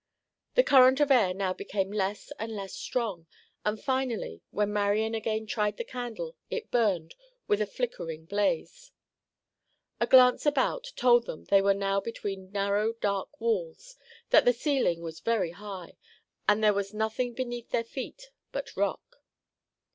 The current of air now became less and less strong, and finally when Marian again tried the candle it burned with a flickering blaze. A glance about told them they were now between narrow dark walls, that the ceiling was very high, and there was nothing beneath their feet but rock.